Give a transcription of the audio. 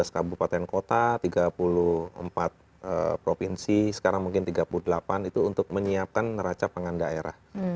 tujuh belas kabupaten kota tiga puluh empat provinsi sekarang mungkin tiga puluh delapan itu untuk menyiapkan neraca pangan daerah